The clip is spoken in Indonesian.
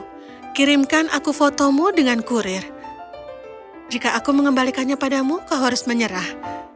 ayo kirimkan aku fotomu dengan kurir jika aku mengembalikannya padamu kau harus menyerah